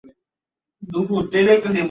বাবা কখনও আমার দিকে তাকাত না।